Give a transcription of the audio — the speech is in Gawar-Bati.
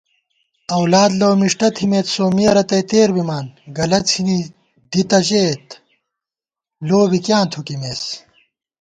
اؤلاد لؤ مِݭٹہ تھِمېت، سومِّیہ رتئ تېر بِمان * گلہ څھِنی دی تہ ژېت، لو بی کېناں تھُوکِمېس